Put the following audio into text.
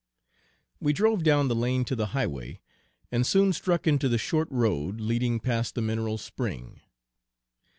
We drove down the lane to the highway, and soon struck into the short road leading past the mineral spring.